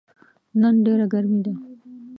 نن ډیره ګرمې ده